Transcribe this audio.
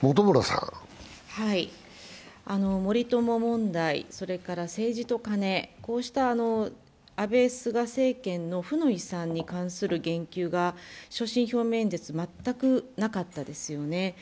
森友問題、政治とカネ、こうした安倍・菅政権の負の遺産に関する言及が所信表明演説で全くなかったですよね。